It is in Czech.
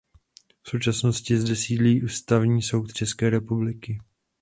V současnosti zde sídlí Ústavní soud České republiky.